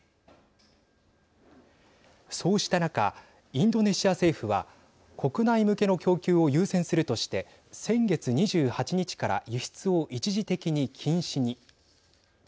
そうした中インドネシア政府は国内向けの供給を優先するとして先月２８日から輸出を一時的に禁止に。